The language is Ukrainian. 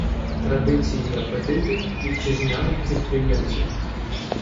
Традиції й апетити вітчизняних підприємців